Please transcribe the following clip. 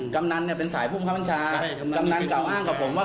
กำนันเนี่ยเป็นสายภูมิครับบัญชากำนันกล่าวอ้างกับผมว่า